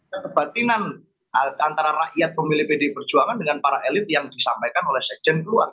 kebatinan antara rakyat pemilih pdi perjuangan dengan para elit yang disampaikan oleh sekjen keluar